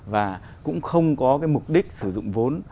và cũng không có cái mục đích sử dụng vốn